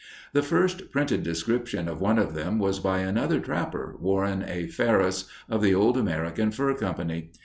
The first printed description of one of them was by another trapper, Warren A. Ferris, of the old American Fur Company.